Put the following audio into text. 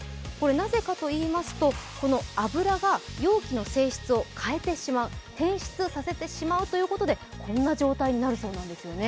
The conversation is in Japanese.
なぜかといいますと油が容器の性質を変えてしまう変質させてしまうということで、こんな状態になるそうです。